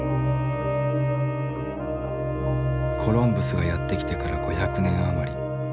コロンブスがやって来てから５００年余り。